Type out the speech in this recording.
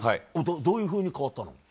どういうふうに変わったの？